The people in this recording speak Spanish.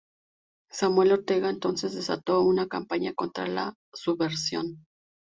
Samuel Ortega, entonces, desató una campaña contra la subversión.